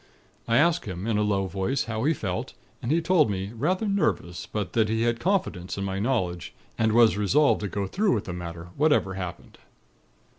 I asked him, in a low voice, how he felt; and he told me, rather nervous; but that he felt confidence in my knowledge and was resolved to go through with the matter, whatever happened.